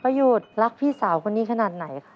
หยุดรักพี่สาวคนนี้ขนาดไหนคะ